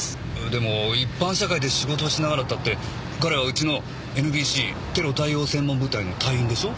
でも一般社会で仕事をしながらったって彼はうちのＮＢＣテロ対応専門部隊の隊員でしょ？